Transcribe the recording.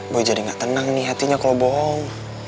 gue jadi gak tenang nih hatinya kalau bohong